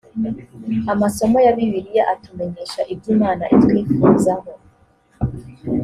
amasomo ya bibiliya atumenyesha ibyo imana itwifuzaho